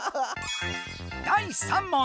第３問。